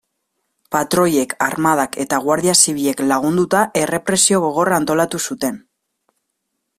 Patroiek, armadak eta Guardia Zibilek lagunduta, errepresio gogorra antolatu zuten.